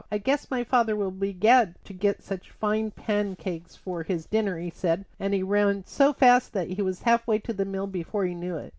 "I guess my father will be glad to get such fine pancakes for his dinner," he said; and he ran so fast that he was half way to the mill before he knew it.